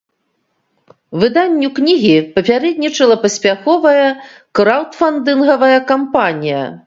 Выданню кнігі папярэднічала паспяховая краўдфандынгавая кампанія.